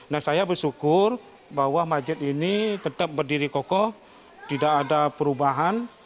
nah saya bersyukur bahwa masjid ini tetap berdiri kokoh tidak ada perubahan